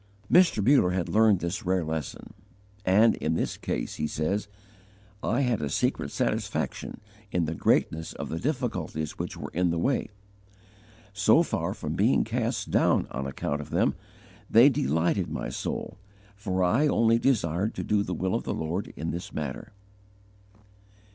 Mr. Muller had learned this rare lesson, and in this case he says: "I had a secret satisfaction in the greatness of the difficulties which were in the way. So far from being cast down on account of them, they delighted my soul; for I only desired to do the will of the Lord in this matter."